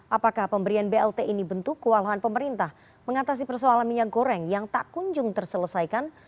apakah pemberian blt ini bentuk kewalahan pemerintah mengatasi persoalan minyak goreng yang tak kunjung terselesaikan